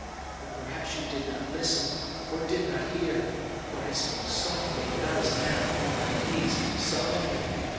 But perhaps you did not listen, or did not hear, for I spoke softly and not as now, on my knees, solemnly.